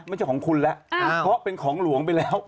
ไม่ใช่ของคุณแล้วเพราะเป็นของหลวงไปแล้ว